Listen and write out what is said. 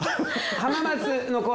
浜松の子！